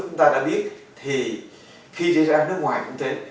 chúng ta đã biết thì khi đi ra nước ngoài cũng thế